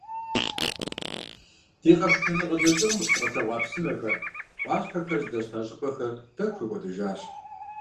Ди къэхутэныгъэ лэжьыгъэм къыщыдгъэлъэгъуа псынэхэр, ӏуащхьэхэр здэщыта щӏыпӏэхэр тӏэкӏу хэкӏуэдэжащ.